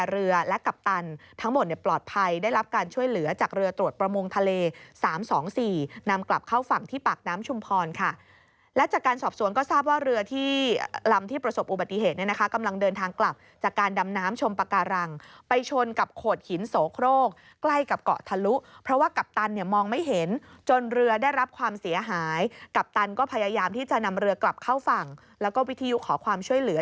เรือตรวจประมวงทะเล๓๒๔นำกลับเข้าฝั่งที่ปากน้ำชุมพรค่ะและจากการสอบสวนก็ทราบว่าเรือที่ลำที่ประสบอุบัติเหตุเนี่ยนะคะกำลังเดินทางกลับจากการดำน้ำชมปาการังไปชนกับโขดหินโสโครกใกล้กับเกาะทะลุเพราะว่ากัปตันเนี่ยมองไม่เห็นจนเรือได้รับความเสียหายกัปตันก็พยายามที่จะนำเรือกลับเข